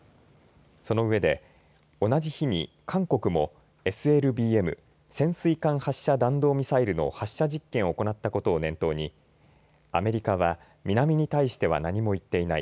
その上で同じ日に韓国もＳＬＢＭ潜水艦発射弾道ミサイルの発射実験を行ったことを念頭にアメリカは南に対しては何も言っていない。